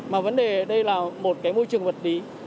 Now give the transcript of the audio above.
mà vấn đề đây là một cái môi trường vật lý